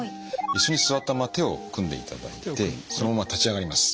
椅子に座ったまま手を組んでいただいてそのまま立ち上がります。